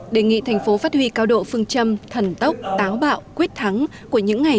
đề nghị thành phố phát huy cao độ phương châm thần tốc táo bạo quyết thắng của những ngày